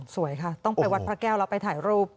สวยค่ะต้องไปวัดพระแก้วแล้วไปถ่ายรูป